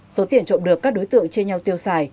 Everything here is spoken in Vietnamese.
số tiền trộm được các đối tượng chia nhau tiêu xài